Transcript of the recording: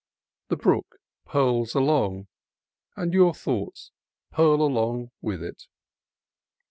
The brook purls along, and your thoughts purl along with it.